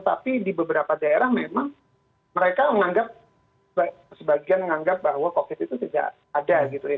tapi di beberapa daerah memang mereka menganggap sebagian menganggap bahwa covid itu tidak ada gitu ya